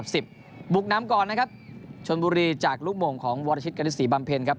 บุกน้ำก่อนนะครับชนบุรีจากลูกโมงของวรชิตกฤษีบำเพ็ญครับ